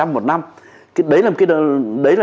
một năm đấy là